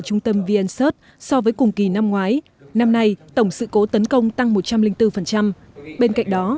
trung tâm vncert so với cùng kỳ năm ngoái năm nay tổng sự cố tấn công tăng một trăm linh bốn bên cạnh đó